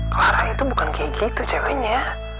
keluarga itu bukan kayak gitu ceweknya